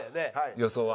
予想は？